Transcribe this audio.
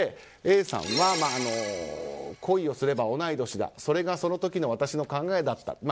Ａさんは「恋すれば同い年だそれがその時の私の考えだった」。